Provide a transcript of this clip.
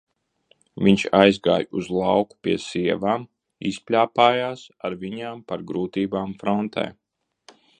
Viņš aizgāja uz lauku pie sievām, izpļāpājās ar viņām par grūtībām frontē.